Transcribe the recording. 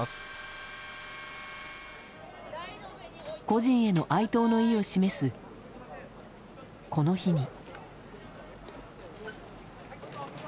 故人への哀悼の意を示すこの日に。